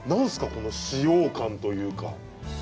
この使用感というか。